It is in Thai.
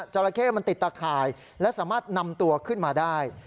ราเข้มันติดตะข่ายและสามารถนำตัวขึ้นมาได้